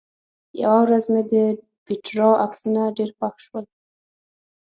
یوه ورځ مې د پېټرا عکسونه ډېر خوښ شول.